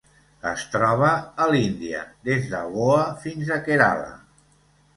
Es troba a l'Índia: des de Goa fins a Kerala.